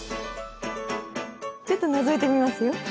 ちょっとのぞいてみますよ。